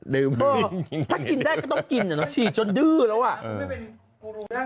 ดื่มถ้ากินได้ก็ต้องกินอ่ะน้องฉีดจนดื้อแล้วอ่ะกูไม่เป็น